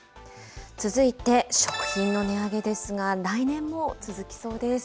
続いて食品の値上げですが、来年も続きそうです。